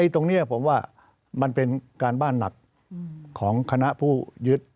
ตรงนี้ผมว่ามันเป็นการบ้านหนักของคณะผู้ยึด